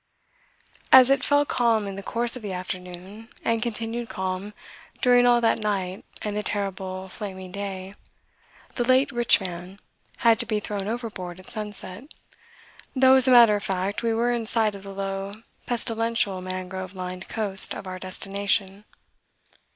As it fell calm in the course of the afternoon and continued calm during all that night and the terrible, flaming day, the late "rich man" had to be thrown overboard at sunset, though as a matter of fact we were in sight of the low pestilential mangrove lined coast of our destination.